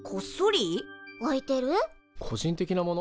個人的なもの？